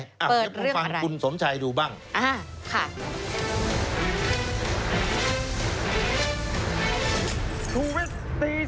เปิดเรื่องอะไรคุณฟังคุณสมชัยดูบ้างค่ะเปิดเรื่องอะไร